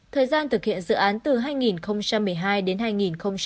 thời gian thực hiện dự án từ hai nghìn một mươi hai đến hai nghìn một mươi năm